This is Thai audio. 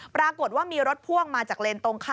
ปรากฏว่ามีรถพ่วงมาจากเลนตรงข้าม